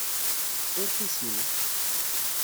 Ur tusim.